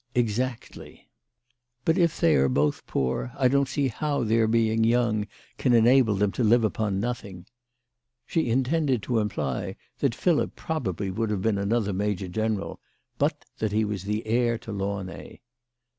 "Exactly." " But if they are both poor, I don't see how their being young can enable them to live upon nothing." She intended to imply that Philip probably would have been another major general, but that he was heir to Launay.